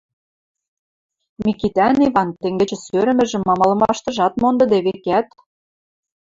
Микитӓн Иван тенгечӹ сӧрӹмӹжӹм амалымаштыжат мондыде, векӓт.